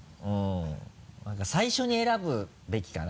何か最初に選ぶべきかな？